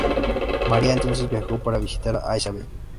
María entonces viajó para visitar a Isabel.